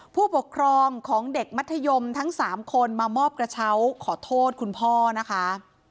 ผู้ปกครองของเด็กมัธยมทั้ง๓คนมามอบกระเช้าขอโทษคุณพ่อนะคะ